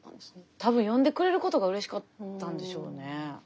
多分読んでくれることがうれしかったんでしょうね。